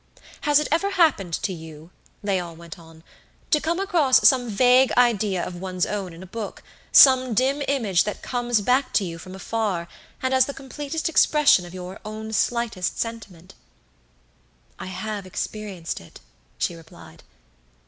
"Has it ever happened to you," Léon went on, "to come across some vague idea of one's own in a book, some dim image that comes back to you from afar, and as the completest expression of your own slightest sentiment?" "I have experienced it," she replied.